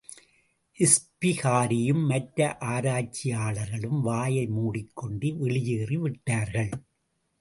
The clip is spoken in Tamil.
இஸ்பிகாரியும் மற்ற ஆராய்ச்சியாளர்களும், வாயை மூடிக்கொண்டு வெளியேறி விட்டார்கள்.